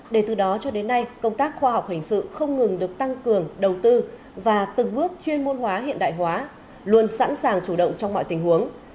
để từ đó cho đến nay công tác khoa học hình sự không ngừng được tăng cường đầu tư và từng bước chuyên môn hóa hiện đại hóa luôn sẵn sàng chủ động trong mọi tình huống